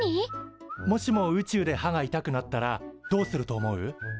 もしも宇宙で歯が痛くなったらどうすると思う？